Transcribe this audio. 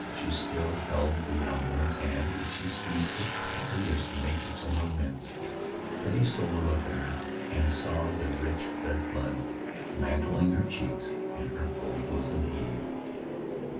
She still held the young woman's hand which she squeezed so tightly as to make its owner wince. Betty stole a look at her, and saw the rich red blood mantling her cheeks, and her full bosom heave.